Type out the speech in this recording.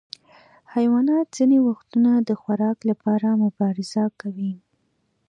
حیوانات ځینې وختونه د خوراک لپاره مبارزه کوي.